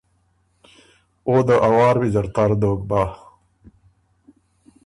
او ده ا وار ویزر تر دوک بَۀ۔